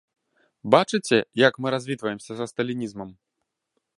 Бачыце, як мы развітваемся са сталінізмам?